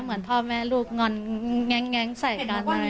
เหมือนพ่อแม่ลูกงอนแง้งใส่กัน